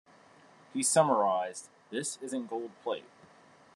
He summarized, This isn't gold plate.